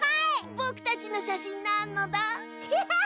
ぼくたちのしゃしんなのだ。